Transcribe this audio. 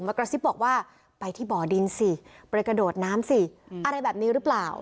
กระซิบบอกว่าไปที่บ่อดินสิไปกระโดดน้ำสิอะไรแบบนี้หรือเปล่า